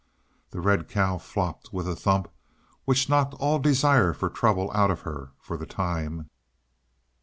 The red cow flopped with a thump which knocked all desire for trouble out of her for the time.